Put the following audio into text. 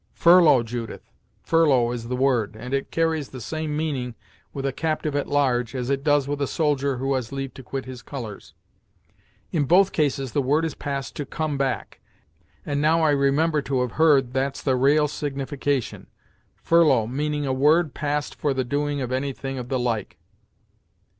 "Furlough, Judith; furlough is the word; and it carries the same meaning with a captyve at large, as it does with a soldier who has leave to quit his colors. In both cases the word is passed to come back, and now I remember to have heard that's the ra'al signification; 'furlough' meaning a 'word' passed for the doing of any thing of the like.